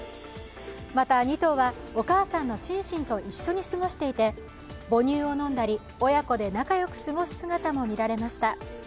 また、２頭はお母さんのシンシンと一緒に過ごしていて、母乳を飲んだり、親子で仲良く過ごす姿も見られました。